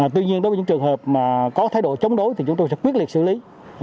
tuy nhiên đối với những trường hợp mà có thái độ chống đối thì chúng tôi sẽ quyết liệt xử lý